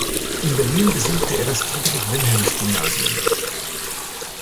In Berlin besuchte er das Friedrich-Wilhelms-Gymnasium.